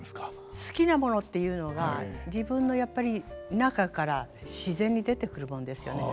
好きなものっていうのが自分のやっぱり中から自然に出てくるもんですよね。